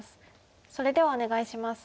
それではお願いします。